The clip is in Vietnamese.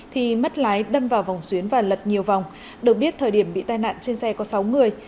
thì mất lái đâm vào vòng xuyến và lật nhiều vòng được biết thời điểm bị tai nạn trên xe có sáu người